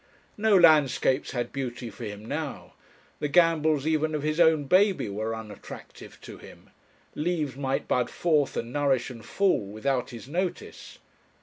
No landscapes had beauty for him now; the gambols even of his own baby were unattractive to him; leaves might bud forth and nourish and fall without his notice.